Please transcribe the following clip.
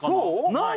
ない？